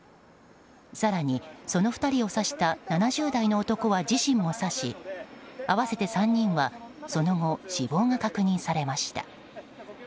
更に、その２人を刺した７０代の男は自身も刺し合わせて３人は、その後死亡が確認されました。